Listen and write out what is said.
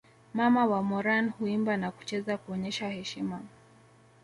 Mama wa Moran huimba na kucheza kuonyesha heshima